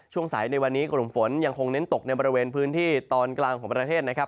ช่วงสายในวันนี้กลุ่มฝนยังคงเน้นตกในบริเวณพื้นที่ตอนกลางของประเทศนะครับ